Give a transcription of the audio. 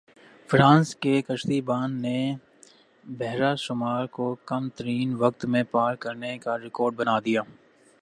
France کے کشتی بان نے بحیرہ شمال کو کم ترین وقت میں پار کرنے کا ریکارڈ بنا دیا